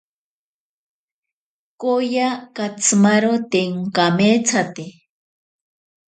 Kooya katsimaro te onkameetsate.